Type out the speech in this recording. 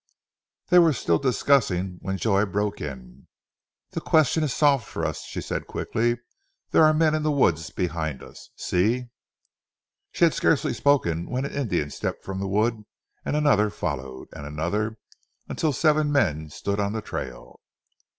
They were still discussing when Joy broke in. "The question is solved for us," she said quickly. "There are men in the wood behind us. See!" She had scarcely spoken when an Indian stepped from the wood, and another followed, and another until seven men stood on the trail.